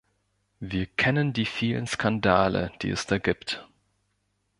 Wir kennen die vielen Skandale, die es da gibt.